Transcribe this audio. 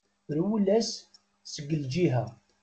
Rwel-as seg lǧiha.